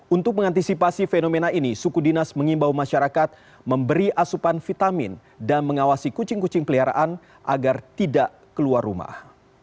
untuk mengantisipasi fenomena ini suku dinas mengimbau masyarakat memberi asupan vitamin dan mengawasi kucing kucing peliharaan agar tidak keluar rumah